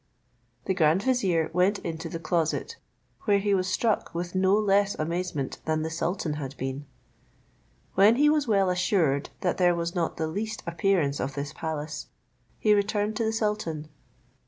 The grand vizier went into the closet, where he was struck with no less amazement than the sultan had been. When he was well assured that there was not the least appearance of this palace, he returned to the sultan.